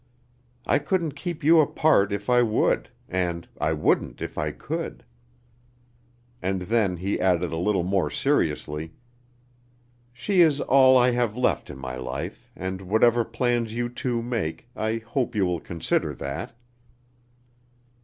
I couldn't keep you apart if I would, and I wouldn't if I could." And then he added a little more seriously: "She is all I have left in my life, and whatever plans you two make, I hope you will consider that."